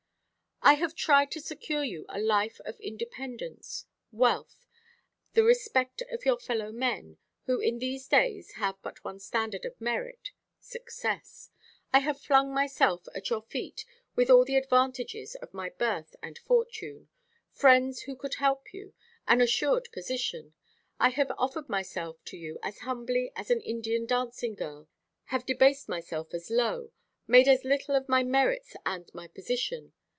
I have tried to secure to you a life of independence, wealth, the respect of your fellow men, who in these days have but one standard of merit success. I have flung myself at your feet, with all the advantages of my birth and fortune friends who could help you an assured position; I have offered myself to you as humbly as an Indian dancing girl, have debased myself as low, made as little of my merits and my position.